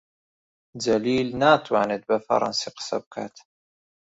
جەلیل ناتوانێت بە فەڕەنسی قسە بکات.